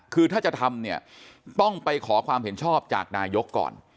คือถ้าจะทำเนี่ยต้องไปขอความเห็นชอบจากนายกก่อน